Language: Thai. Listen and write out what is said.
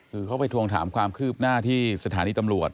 คือเขาไปทวงถามความคืบหน้าที่สถานีตำรวจ